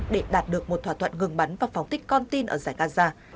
để đạt được một thỏa thuận ngừng bắn và phóng thích con tin ở giải gaza